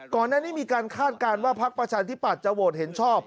ก่อนหน้านี้มีการคาดการณ์ว่าพักประชาธิปัตย์จะโหวตเห็นชอบ